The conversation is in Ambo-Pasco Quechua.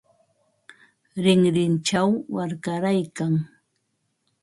Rinrinchaw warkaraykan.